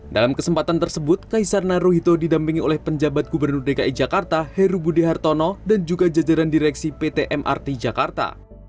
dalam kesempatan tersebut kaisar naruhito didampingi oleh penjabat gubernur dki jakarta heru budi hartono dan juga jajaran direksi pt mrt jakarta